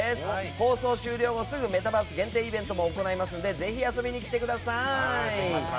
放送終了後すぐメタバース限定イベントも行いますのでぜひ遊びに来てください。